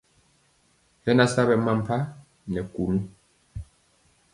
Hɛ na sa ɓɛ mampa nɛ kunu.